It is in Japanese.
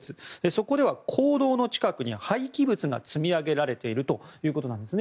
そこでは坑道の近くに廃棄物が積み上げられているということです。